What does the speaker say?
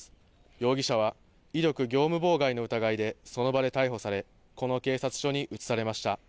容疑者は威力業務妨害の疑いでその場で逮捕されこの警察署に移されました。